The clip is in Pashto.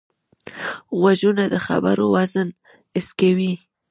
غوږونه د خبرو وزن حس کوي